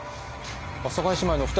阿佐ヶ谷姉妹のお二人？